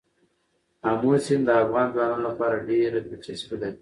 آمو سیند د افغان ځوانانو لپاره ډېره دلچسپي لري.